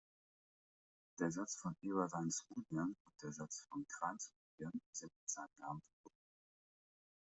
Der Satz von Eberlein–Šmulian und der Satz von Krein-Šmulian sind mit seinem Namen verbunden.